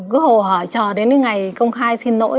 cứ hồ hỏi chờ đến cái ngày công khai xin lỗi